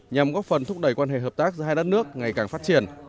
nhằm góp phần thúc đẩy quan hệ hợp tác giữa hai đất nước ngày càng phát triển